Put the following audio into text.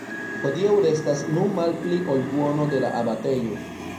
Hodiaŭ restas nur malpli ol duono de la abatejo.